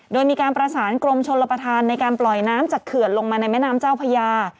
โดยมีการประสานกรมชนรับประทานในการปล่อยน้ำจากเขื่อนลงมาในแม่น้ำเจ้าพญา